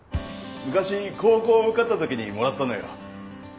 昔高校受かったときにもらったのよ。